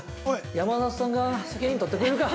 山里さんが責任とってくれるか。